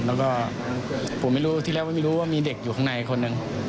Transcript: แล้วก็ผมไม่รู้ที่แรกไม่รู้ว่ามีเด็กอยู่ข้างในคนหนึ่ง